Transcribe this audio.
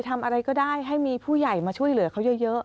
ทำอะไรก็ได้ให้มีผู้ใหญ่มาช่วยเหลือเขาเยอะ